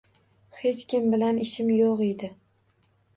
Hech kim bilan ishim yo‘g‘idi